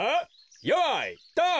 よいドン！